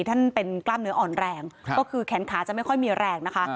ท่านเป็นกล้ามเนื้ออ่อนแรงก็คือแขนขาจะไม่ค่อยมีแรงนะคะ